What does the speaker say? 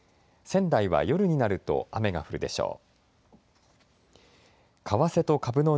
仙台は夜になると雨が降るでしょう。